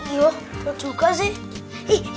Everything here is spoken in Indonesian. iya juga sih